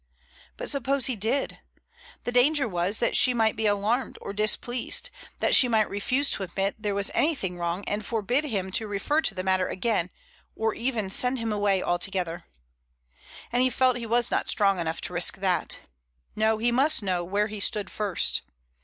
But suppose he did? The danger was that she might be alarmed or displeased, that she might refuse to admit there was anything wrong and forbid him to refer to the matter again or even send him away altogether. And he felt he was not strong enough to risk that. No, he must know where he stood first.